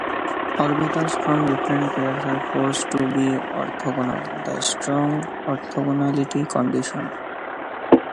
Orbitals from different pairs are forced to be orthogonal - the strong orthogonality condition.